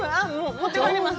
持って帰ります。